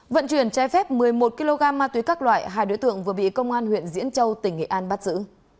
vận chuyển trái phép một mươi một kg ma túy các loại hai đối tượng vừa bị công an huyện diễn châu tỉnh nghệ an bắt giữ